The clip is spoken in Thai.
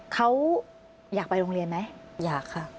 เขาอยากไปโรงเรียนไหมอยากค่ะ